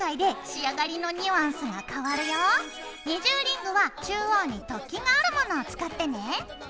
二重リングは中央に突起があるものを使ってね。